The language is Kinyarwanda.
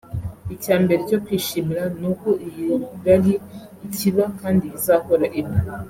Icya mbere cyo kwishimira ni uko iyi Rally ikiba kandi izahora iba